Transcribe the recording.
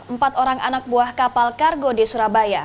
empat orang anak buah kapal kargo di surabaya